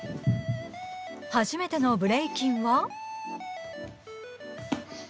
初めてのブレイキンは？